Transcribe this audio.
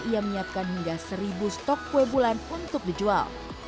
ia menyiapkan hingga seribu stok kue bulan untuk dijual